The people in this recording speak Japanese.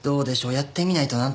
やってみないとなんとも。